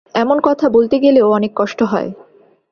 এখন কথা বলতে গেলেও অনেক কষ্ট হয়।